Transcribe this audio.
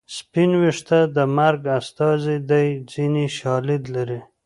سپین ویښته د مرګ استازی دی دیني شالید لري